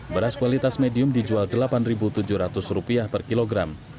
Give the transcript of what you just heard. beras kualitas medium dijual rp delapan tujuh ratus per kilogram